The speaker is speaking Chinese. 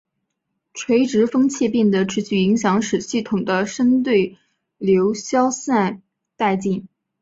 垂直风切变的持续影响使系统的深对流消散殆尽。